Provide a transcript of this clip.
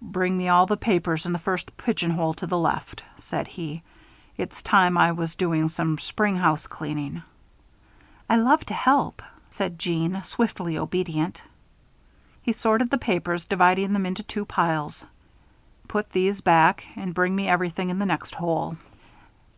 "Bring me all the papers in the first pigeon hole to the left," said he. "It's time I was doing some spring housecleaning." "I love to help," said Jeanne, swiftly obedient. He sorted the papers, dividing them into two piles. "Put these back, and bring me everything in the next hole."